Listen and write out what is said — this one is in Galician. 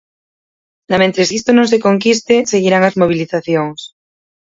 Namentres isto non se conquiste, seguirán as mobilizacións.